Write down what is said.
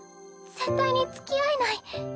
絶対につきあえない。